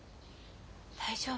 大丈夫？